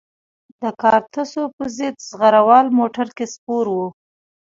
د کارتوسو په ضد زغره وال موټر کې سپور وو.